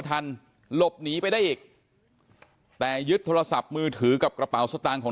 ทันหลบหนีไปได้อีกแต่ยึดโทรศัพท์มือถือกับกระเป๋าสตางค์ของ